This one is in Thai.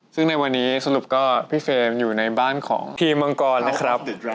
ซึ่งในวันนี้สรุปก็พี่เฟรมอยู่ในบ้านของพี่มังกรนะครับ